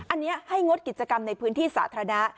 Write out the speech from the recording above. อันนี้ให้งดกิจกรรมในพื้นที่สาธารณะ